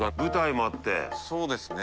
そうですね。